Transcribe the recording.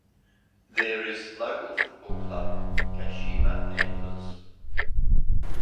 There is local football club Kashima Antlers.